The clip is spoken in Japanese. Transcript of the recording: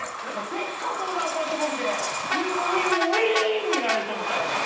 せっかく小沢さんと僕でウィンウィンウィーンになれると思ったのに。